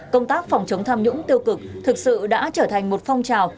công tác phòng chống tham nhũng tiêu cực thực sự đã trở thành một phong trào